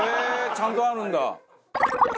ちゃんとあるんだ。